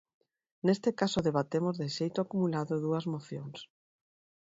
Neste caso debatemos de xeito acumulado dúas mocións.